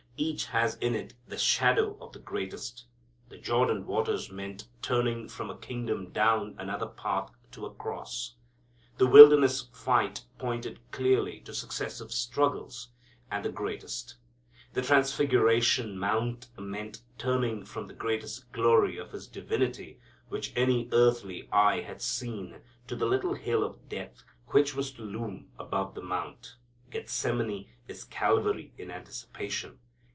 Each has in it the shadow of the greatest. The Jordan waters meant turning from a kingdom down another path to a cross. The Wilderness fight pointed clearly to successive struggles, and the greatest. The Transfiguration mount meant turning from the greatest glory of His divinity which any earthly eye had seen to the little hill of death, which was to loom above the mount. Gethsemane is Calvary in anticipation.